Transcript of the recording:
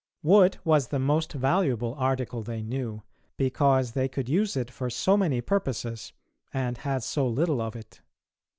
Wood was the most valuable article they knew, because they could use it for so many purposes, and had so little of it.